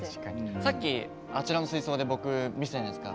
さっきあちらの水槽で見せたじゃないですか。